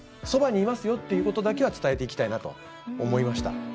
「そばにいますよ」っていうことだけは伝えていきたいなと思いました。